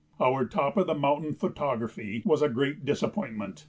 Our top of the mountain photography was a great disappointment.